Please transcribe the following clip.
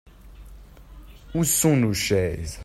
Où sont nos chaises ?